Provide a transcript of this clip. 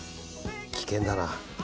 危険だな。